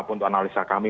untuk analisa kami